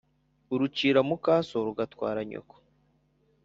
Urucira mukaso rugatwara nyoko.